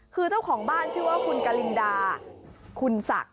คือเจ้าของบ้านชื่อว่าคุณกลินดาคุณศักดิ์